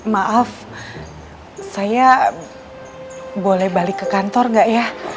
maaf saya boleh balik ke kantor gak ya